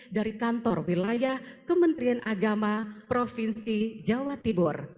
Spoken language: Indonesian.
dari kantor wilayah kementerian agama provinsi jawa timur